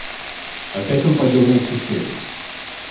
Опять он подернулся шеей.